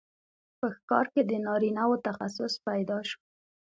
په ښکار کې د نارینه وو تخصص پیدا شو.